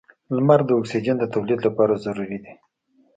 • لمر د اکسیجن د تولید لپاره ضروري دی.